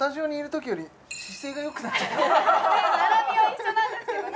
ねっねっ並びは一緒なんですけどね